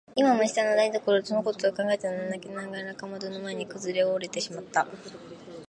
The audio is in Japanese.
今も下の台所でそのことを考えただけで泣きながらかまどの前にくずおれてしまった。